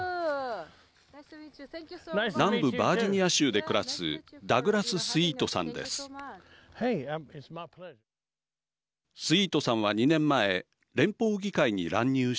南部バージニア州で暮らすダグラス・スイートさんです。